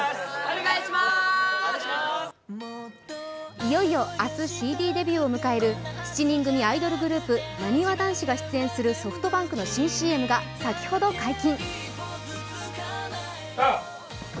いよいよ明日ＣＤデビューを迎える７人組アイドルグループ・なにわ男子が出演するソフトバンクの新ＣＭが先ほど解禁。